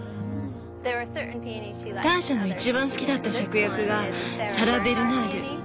ターシャの一番好きだったシャクヤクがサラベルナール。